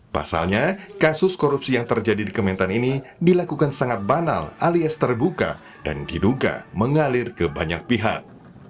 pasalnya kasus korupsi yang terjadi di kementan ini dilakukan sangat banal alias terbuka dan diduga mengalir ke banyak pihak